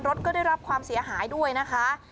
รถก็ได้รับความเสียหายด้วยนะคะ